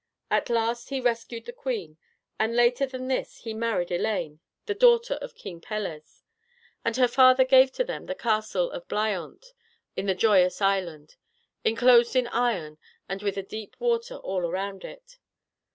At last he rescued the queen, and later than this he married Elaine, the daughter of King Pelles, and her father gave to them the castle of Blyaunt in the Joyous Island, enclosed in iron, and with a deep water all around it.